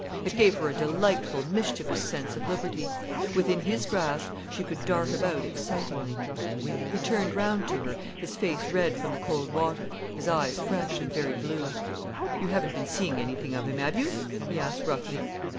It gave her a delightful, mischievous sense of liberty. Within his grasp, she could dart about excitingly. He turned round to her, his face red from the cold water, his eyes fresh and very blue. "You haven't been seeing anything of him, have you?" he asked roughly.